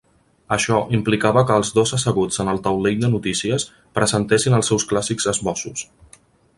Això implicava que els dos asseguts en el taulell de notícies, presentessin els seus clàssics esbossos.